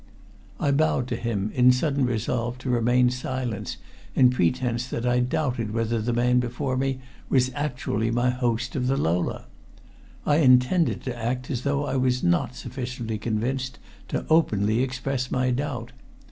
I bowed to him in sudden resolve to remain silent in pretense that I doubted whether the man before me was actually my host of the Lola. I intended to act as though I was not sufficiently convinced to openly express my doubt.